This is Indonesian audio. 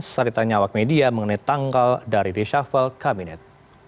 ceritanya awak media mengenai tanggal dari reshuffle kabinet